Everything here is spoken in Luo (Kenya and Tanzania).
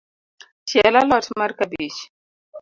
Chiel a lot mar kabich.